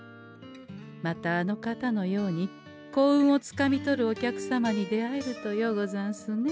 またあの方のように幸運をつかみ取るお客様に出会えるとようござんすね。